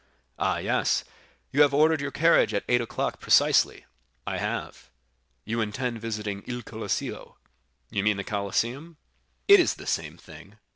20099m "Ah, yes; you have ordered your carriage at eight o'clock precisely?" "I have." "You intend visiting Il Colosseo." "You mean the Colosseum?" "It is the same thing.